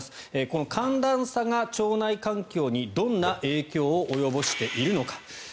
この寒暖差が腸内環境にどんな影響を及ぼしているのか。